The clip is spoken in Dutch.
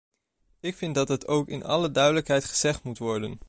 Ik vind dat het ook in alle duidelijkheid gezegd moet worden.